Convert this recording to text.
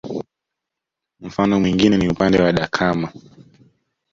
Mfano mwingine ni upande wa Dakama